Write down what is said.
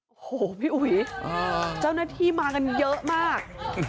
โอ้โหพี่อุ๋ยเจ้าหน้าที่มากันเยอะมาก